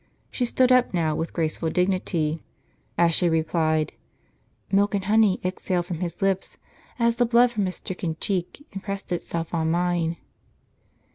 She stood up now, with graceful dignity, as she replied :" Milk and honey exhaled from his lips, as the blood from his stricken cheek impressed itself on mine."